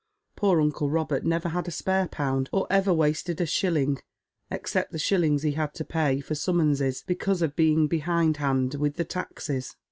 Pool uncle Robert never had a spare pound, or ever wasted a shilling, except the shillings he had id pay for summonses because of being behindhand with the taxes.